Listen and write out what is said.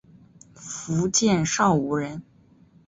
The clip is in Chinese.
福建邵武人。